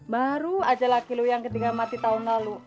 baru aja laki lo yang ketiga mati tahun lalu